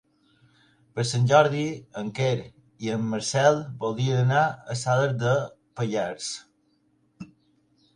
Per Sant Jordi en Quer i en Marcel voldrien anar a Salàs de Pallars.